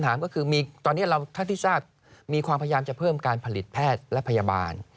ก็คือมีตอนนี้เราเท่าที่ทราบมีความพยายามจะเพิ่มการผลิตแพทย์และพยาบาล